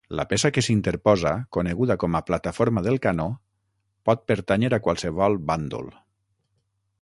La peça que s'interposa, coneguda com a plataforma del canó, pot pertànyer a qualsevol bàndol.